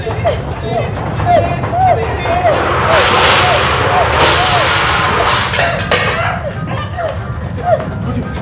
angkat kecepatan orang ke ongkongnya